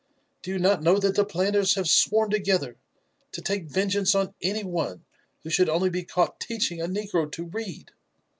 Do you not know that the planters have sworn together to take vengeance on any one who should only be caught teaching a negro to read?